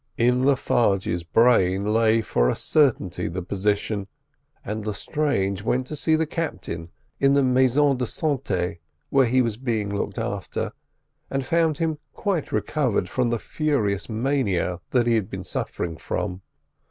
In Le Farge's brain lay for a certainty the position, and Lestrange went to see the captain in the "Maison de Sante," where he was being looked after, and found him quite recovered from the furious mania that he had been suffering from.